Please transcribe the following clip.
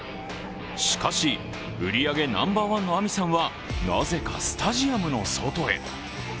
しかし売り上げナンバーワンのあみさんはなぜかスタジアムの外へ。